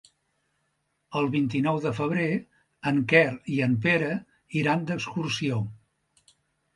El vint-i-nou de febrer en Quer i en Pere iran d'excursió.